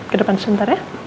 ke depan sebentar ya